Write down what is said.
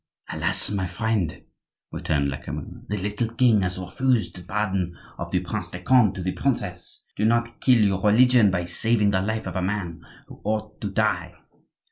"Alas! my friend," returned Lecamus, "the little king has refused the pardon of the Prince de Conde to the princess. Do not kill your religion by saving the life of a man who ought to die."